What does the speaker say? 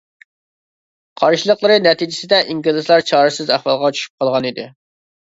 قارشىلىقلىرى نەتىجىسىدە ئىنگلىزلار چارىسىز ئەھۋالغا چۈشۈپ قالغان ئىدى.